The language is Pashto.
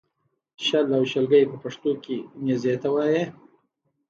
شل او شلګی په پښتو کې نېزې ته وایې